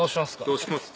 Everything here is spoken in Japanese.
どうします？